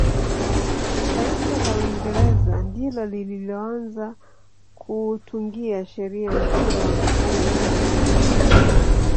taifa la uingereza ndilo lililoanza kuutungia sheria mpira wa miguu ulimwenguni